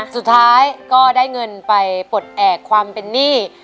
สุดท้ายก็ได้เงินไปปลดแอบความเป็นหนี้